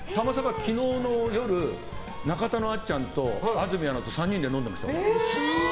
昨日の夜、中田のあっちゃんと安住アナと３人で飲んでた。